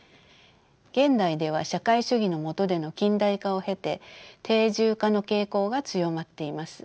現代では社会主義の下での近代化を経て定住化の傾向が強まっています。